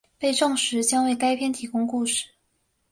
被证实将为该片提供故事。